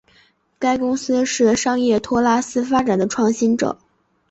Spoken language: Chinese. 该公司是商业托拉斯发展的创新者。